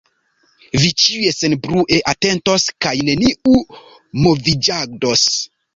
Vi ĉiuj senbrue atentos kaj neniu moviĝados.